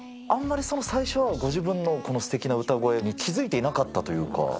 あんまり、最初は、ご自分のこのすてきな歌声に気付いていなかったというか。